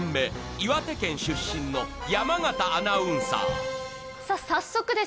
岩手県出身の山形アナウンサー